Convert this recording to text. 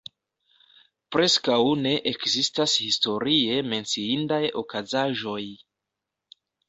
Preskaŭ ne ekzistas historie menciindaj okazaĵoj.